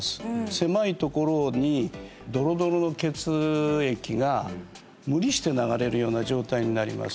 狭いところにドロドロの血液が無理して流れるような状態になります